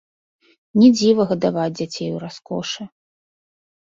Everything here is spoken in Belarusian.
Не дзіва гадаваць дзяцей у раскошы!